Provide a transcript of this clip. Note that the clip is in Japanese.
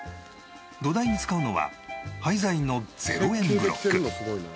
土台に使うのは廃材の０円ブロック。